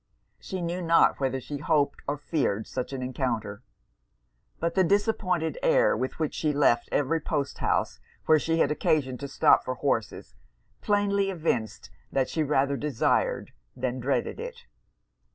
She knew not whether she hoped or feared such an encounter. But the disappointed air with which she left every post house where she had occasion to stop for horses, plainly evinced that she rather desired than dreaded it.